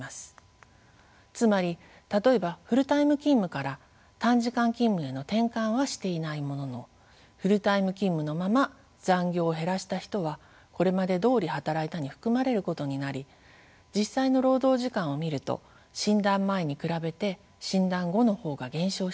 つまり例えばフルタイム勤務から短時間勤務への転換はしていないもののフルタイム勤務のまま残業を減らした人は「これまでどおり働いた」に含まれることになり実際の労働時間を見ると診断前に比べて診断後の方が減少しています。